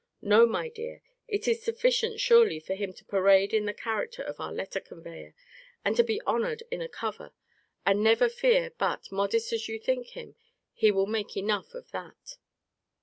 No, my dear, it is sufficient, surely, for him to parade in the character of our letter conveyor, and to be honoured in a cover, and never fear but, modest as you think him, he will make enough of that.